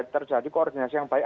terjadi koordinasi yang baik